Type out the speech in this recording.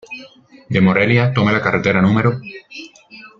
De Morelia tome la carretera núm.